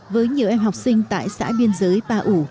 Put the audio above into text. với nhiều em học sinh tại xã biên giới pa ủ